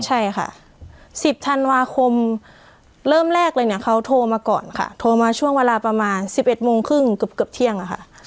ใช่ค่ะ๑๐ธันวาคมเริ่มแรกเลยเนี่ยเขาโทรมาก่อนค่ะโทรมาช่วงเวลาประมาณ๑๑โมงครึ่งเกือบเที่ยงอะค่ะ